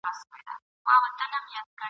معجزه د اسمانونو له یزدانه تر انسان یم !.